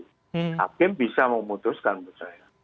hakim bisa memutuskan menurut saya